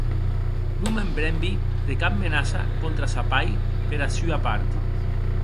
Non me'n brembi de cap menaça contra sa pair pera sua part.